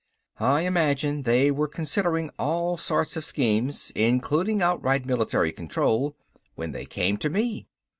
I imagine they were considering all sorts of schemes including outright military control when they came to me.